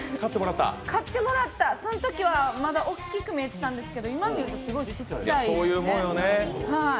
買ってもらった、そのときはまだ大きく見えてたんですけど今見るとすごいちっちゃいですね。